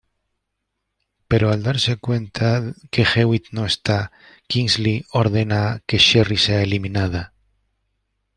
Pero al darse cuenta que Hewitt no está, Kingsley ordena que Sherry sea eliminada.